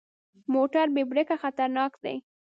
موټر بې بریکه خطرناک دی.